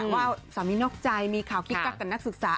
ว่าสามีนอกใจมีข่าวกิ๊กกักกับนักศึกษา